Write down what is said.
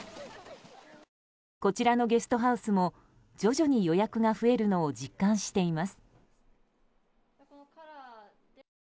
こちらのゲストハウスも徐々に予約が増えるのを実感しています。